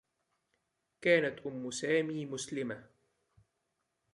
كانت أمّ سامي مسلمة.